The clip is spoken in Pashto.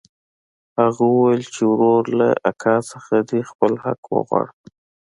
هغه وويل چې وروره له اکا څخه دې خپل حق وغواړه.